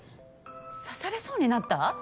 刺されそうになった？